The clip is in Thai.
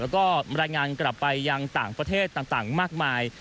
แล้วก็รายงานกลับไปทางอีกที่มากมาย